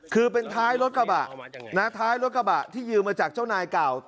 คือเป็นท้ายรถกระบะท้ายรถกระบะที่ยืมมาจากเจ้านายเก่า